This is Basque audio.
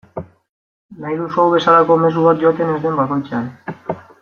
Nahi duzu hau bezalako mezu bat joaten ez den bakoitzean.